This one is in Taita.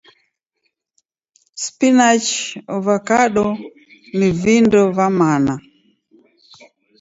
Spinachi, ovakado, ni vindo va mana.